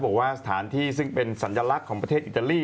บอกว่าสถานที่ซึ่งเป็นสัญลักษณ์ของประเทศอิตาลี